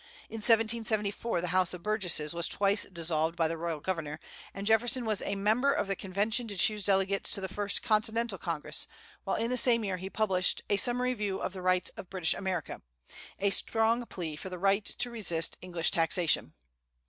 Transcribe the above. In 1774 the House of Burgesses was twice dissolved by the royal governor, and Jefferson was a member of the convention to choose delegates to the first Continental Congress; while in the same year he published a "Summary View of the Rights of British America," a strong plea for the right to resist English taxation.